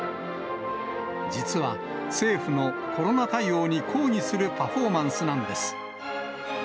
実は、政府のコロナ対応に抗議するパフォーマンスなんです。